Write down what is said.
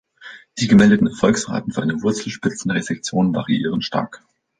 Die gemeldeten Erfolgsraten für eine Wurzelspitzenresektion variieren stark.